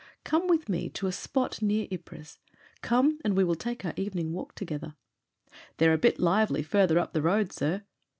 Come with me to a spot near Ypres ; come, and we will take our evening walk together. "They're a bit lively farther up the road, sir."